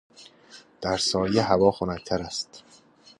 در سایه هوا خنکتر است.